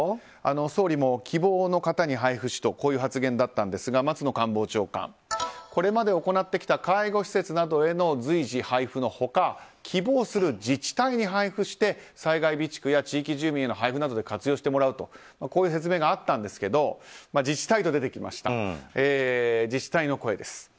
総理も希望の方に配布しとこういう発言だったんですが松野官房長官これまで行ってきた介護施設などへの随時配布の他希望する自治体に配布して災害備蓄や地域住民への配布などで活用してもらうとこういう説明があったんですけど自治体と出てきましたが自治体の声です。